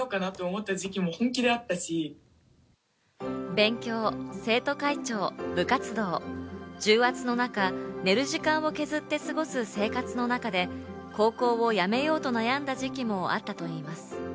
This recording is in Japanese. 勉強、生徒会長、部活動、重圧の中、寝る時間を削って過ごす生活の中で、高校を辞めようと悩んだ時期もあったといいます。